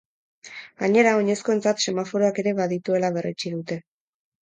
Gainera, oinezkoentzat semaforoak ere badituela berretsi dute.